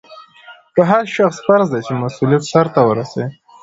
په هر شخص فرض دی چې مسؤلیت سرته ورسوي.